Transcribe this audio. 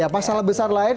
masalah besar lain